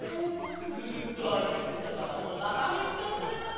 ずっとあるいてたからおなかへっちゃったよ。